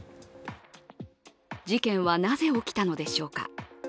事件はなぜ起きたのでしょうか。